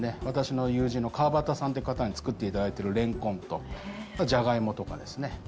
私の友人の川端さんって方に作っていただいてるレンコンとジャガイモとかですね。